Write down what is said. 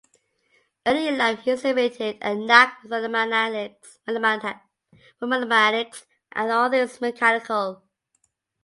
Early in life he exhibited a knack for mathematics and all things mechanical.